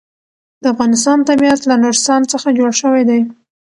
د افغانستان طبیعت له نورستان څخه جوړ شوی دی.